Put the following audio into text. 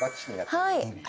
はい？